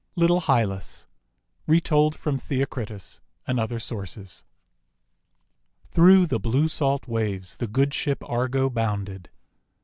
LITTLE HYLAS Retold from Theocritus and Other Sources THROUGH the blue salt waves the good Ship Argo bounded.